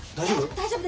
大丈夫？